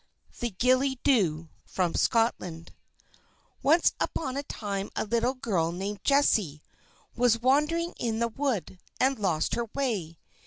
THE GILLIE DHU From Scotland Once upon a time a little girl, named Jessie, was wandering in the wood, and lost her way.